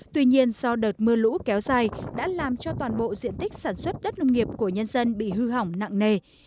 tuy nhiên do đợt mưa lũ kéo dài đã làm cho toàn bộ diện tích sản xuất đất nông nghiệp của nhân dân bị hư hỏng nặng nề